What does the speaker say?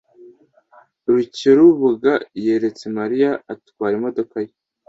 Rukeribuga yaretse Mariya atwara imodoka ye?